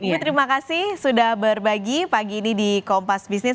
bu terima kasih sudah berbagi pagi ini di kompas bisnis